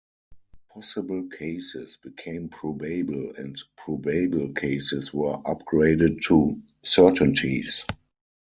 "Possible cases" became "probable", and "probable" cases were upgraded to certainties.